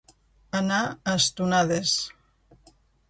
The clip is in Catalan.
Anar a estonades.